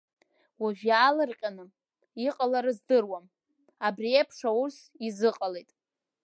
Уажә иаалырҟьаны, иҟала рыздыруам, абри еиԥш аус изыҟалеит.